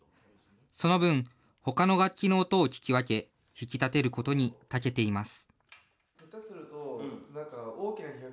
その分、ほかの楽器の音を聞き分け、引き立てることにたけています。